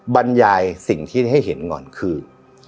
บรรยายสิ่งที่ให้เห็นก่อนคือ